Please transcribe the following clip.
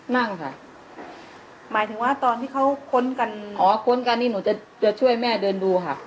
นั่งค่ะหมายถึงว่าตอนที่เขาค้นกันอ๋อค้นกันนี่หนูจะช่วยแม่เดินดูค่ะ